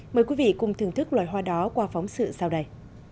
mời quý vị cùng thưởng thức loài hoa đó qua phóng sự sau đây